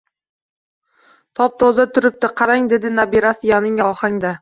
Top-toza turibdi, qarang dedi nabirasi yalingan ohangda